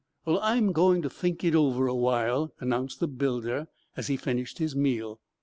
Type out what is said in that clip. "Well, I'm going to think it over a while," announced the builder, as he finished his meal.